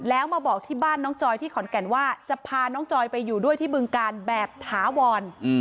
แล้วมาบอกที่บ้านน้องจอยที่ขอนแก่นว่าจะพาน้องจอยไปอยู่ด้วยที่บึงการแบบถาวร